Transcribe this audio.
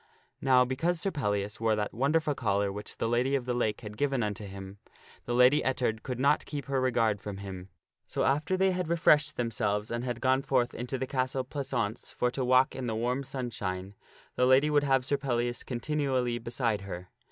Now because Sir Pellias wore that wonderful collar which the Lady of the Lake had given unto him, the Lady Ettard could not keep her regard from him. So after they had refreshed themselves and had gone forth into the castle pleasaunce for to walk in the warm sunshine, the lady would have Sir Pellias continually beside her.